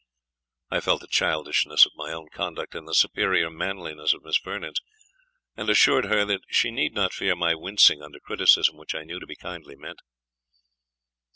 I felt the childishness of my own conduct, and the superior manliness of Miss Vernon's, and assured her, that she need not fear my wincing under criticism which I knew to be kindly meant.